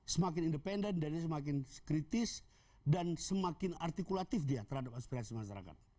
semakin independen dan dia semakin kritis dan semakin artikulatif dia terhadap aspirasi masyarakat